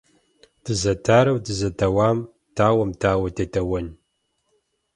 Дызэдарэу дызэдауэм - дауэм дауэ дедэуэн?